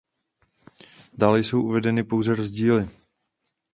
Dále jsou uvedeny pouze rozdíly.